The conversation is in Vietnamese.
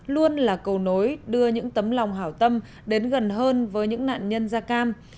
luôn là cầu nối đưa những tấm lòng hảo tâm đến gần hơn với những nạn nhân da cam